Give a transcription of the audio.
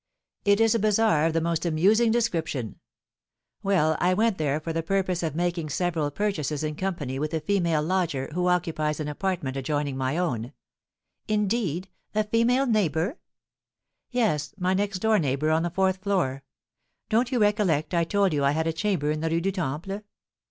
"It is a bazaar of the most amusing description. Well, I went there for the purpose of making several purchases in company with a female lodger who occupies an apartment adjoining my own " "Indeed! A female neighbour?" "Yes, my next door neighbour on the fourth floor. Don't you recollect I told you I had a chamber in the Rue du Temple?"